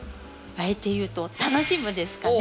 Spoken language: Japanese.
あえて言うと楽しむですかね。